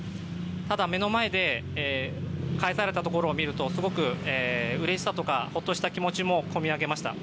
ただ、目の前で返されたところを見るとすごくうれしさとかほっとした気持ちもこみ上げました。